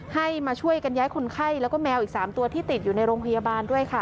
ให้มาช่วยกันย้ายคนไข้แล้วก็แมวอีก๓ตัวที่ติดอยู่ในโรงพยาบาลด้วยค่ะ